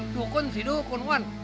dukun sih dukun wan